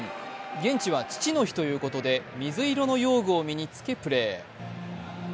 現地は父の日ということで、水色の用具を身に着けプレー。